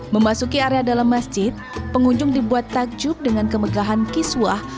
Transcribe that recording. memasuki area dalam masjid pengunjung dibuat takjub dengan kemegahan kiswah